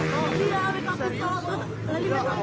lalu saya mencoba tolong nyampe di gerak gerak jalanan yang berburu